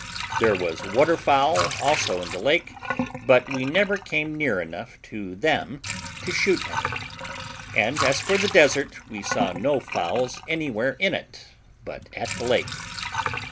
There was water fowl also in the lake, but we never came near enough to them to shoot any; and as for the desert, we saw no fowls anywhere in it but at the lake.